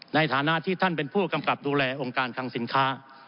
ในฐานะที่ท่านเป็นผู้กำกับดูแลองค์การคังสินค้า